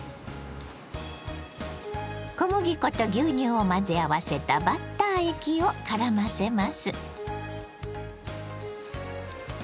小麦粉と牛乳を混ぜ合わせたバッター液をからませます。